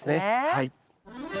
はい。